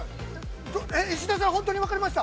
えっ、石田さん、本当にわかりました？